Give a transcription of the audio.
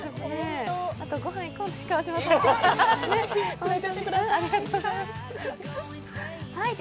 あとでごはん行こう、川島さんと。